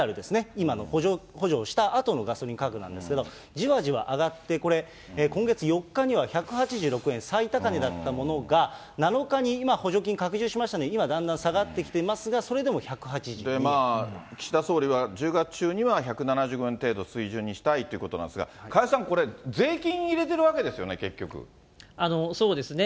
今の補助をしたあとのガソリン価格なんですけど、じわじわ上がって、これ、今月４日には１８６円、最高値だったものが、７日に、今補助金拡充しましたので、今、だんだん下がってきていますが、そまあ、岸田総理は１０月中には１７５円程度水準にしたいということなんですが、加谷さんこれ、税金入れているわけですよね、そうですね。